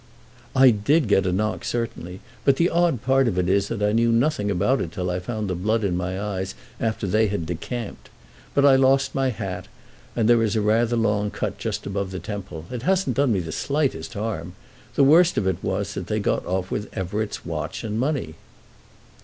"I did get a knock, certainly; but the odd part of it is that I knew nothing about it till I found the blood in my eyes after they had decamped. But I lost my hat, and there is a rather long cut just above the temple. It hasn't done me the slightest harm. The worst of it was that they got off with Everett's watch and money."